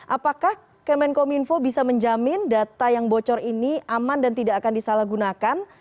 apakah kemenkominfo bisa menjamin data yang bocor ini aman dan tidak akan disalahgunakan